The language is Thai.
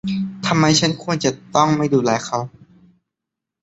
ทำไมฉันควรจะต้องไม่ดูแลเขา ?